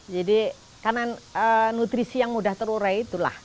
jadi karena nutrisi yang mudah terurai itulah